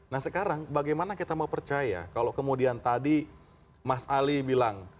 nah sekarang bagaimana kita mau percaya kalau kemudian tadi mas ali bilang